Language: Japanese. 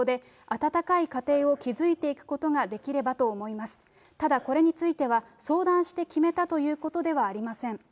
ただこれについては、相談して決めたということではありません。